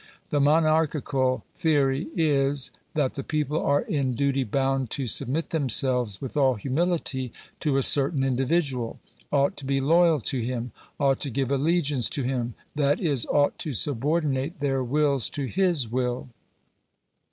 The monarchical theory is, that the people are in duty bound to sub mit themselves with all humility to a certain individual — ought to be loyal to him — ought to give allegiance to him, that is — ought to subordinate their wills to his will.